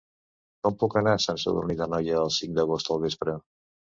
Com puc anar a Sant Sadurní d'Anoia el cinc d'agost al vespre?